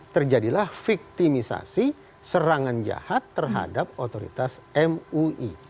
terjadilah victimisasi serangan jahat terhadap otoritas mui